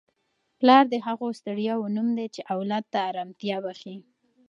پلار د هغو ستړیاوو نوم دی چي اولاد ته ارامتیا بخښي.